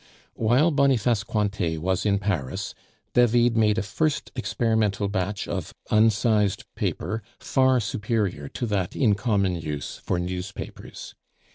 While Boniface Cointet was in Paris, David made a first experimental batch of unsized paper far superior to that in common use for newspapers.